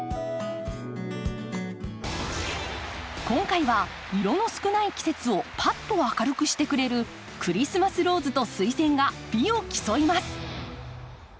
今回は色の少ない季節をパッと明るくしてくれるクリスマスローズとスイセンが美を競います。